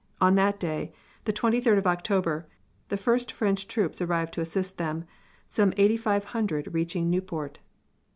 On that day, the twenty third of October, the first French troops arrived to assist them, some eighty five hundred reaching Nieuport.